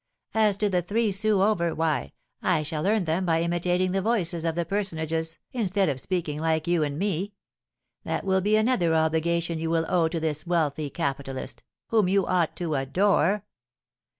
As to the three sous over, why, I shall earn them by imitating the voices of the personages, instead of speaking like you and me. That will be another obligation you will owe to this wealthy capitalist, whom you ought to adore."